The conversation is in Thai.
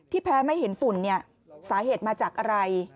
ที่แพ้ไม่เห็นฝุ่นเนี่ยสาเหตุมาจากอะไร